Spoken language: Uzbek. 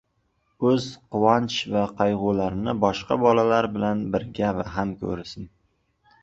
o‘z quvonch va qayg‘ularini boshqa bolalar bilan birga baham ko‘rsin.